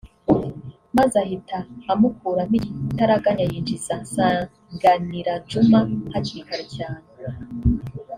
maze ahita amukuramo igitaraganya yinjiza Nsanganira Djuma hakiri kare cyane